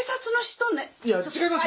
いや違います！